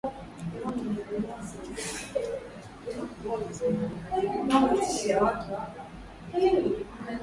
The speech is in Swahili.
Watu wanaweza kupata kimeta kwa kugusana na mnyama au uchafu wake ulio na maambukizi